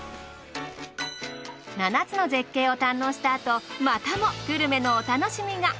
７つの絶景を堪能したあとまたもグルメのお楽しみが。